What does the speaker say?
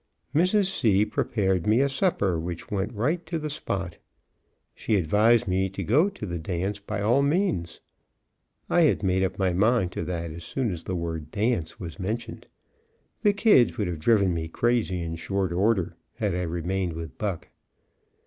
Mrs. C. prepared me a supper which went right to the spot. She advised me to go to the dance, by all means. I had made up my mind to that as soon as the word "dance" was mentioned; the "kids" would have driven me crazy in short order, had I remained with Buck.